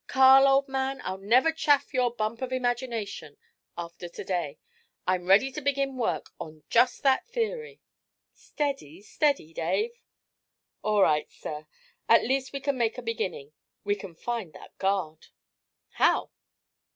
'Carl, old man, I'll never chaff your "bump of imagination," after to day. I'm ready to begin work on just that theory.' 'Steady, steady, Dave.' 'All right, sir; at least we can make a beginning we can find that guard.' 'How?'